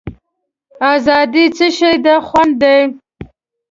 آزادي څه شی ده خوند دی.